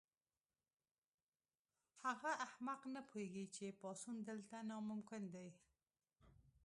هغه احمق نه پوهیږي چې پاڅون دلته ناممکن دی